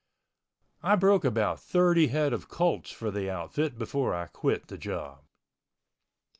I broke about thirty head of colts for the outfit before I quit the job.